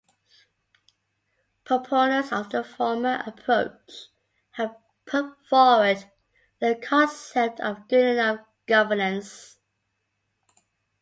Proponents of the former approach have put forward the concept of "good enough governance".